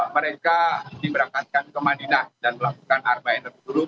mereka diberangkatkan ke medina dan melakukan arbaian tersebut